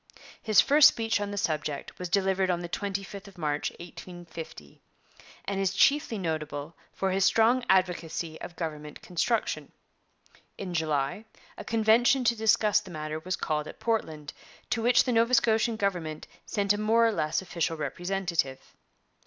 His first speech on the subject was delivered on the 25th of March 1850, and is chiefly notable for his strong advocacy of government construction. In July a convention to discuss the matter was called at Portland, to which the Nova Scotian government sent a more or less official representative.